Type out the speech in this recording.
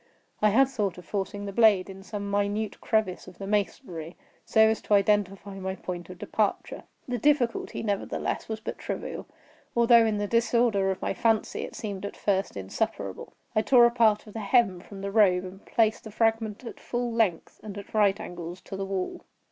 I had thought of forcing the blade in some minute crevice of the masonry, so as to identify my point of departure. The difficulty, nevertheless, was but trivial; although, in the disorder of my fancy, it seemed at first insuperable. I tore a part of the hem from the robe and placed the fragment at full length, and at right angles to the wall.